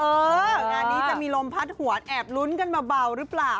งานนี้จะมีลมพัดหวนแอบลุ้นกันเบาหรือเปล่า